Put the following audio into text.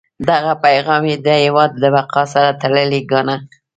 دغه پیغام یې د هیواد د بقا سره تړلی ګاڼه.